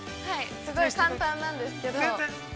◆すごい簡単なんですけど。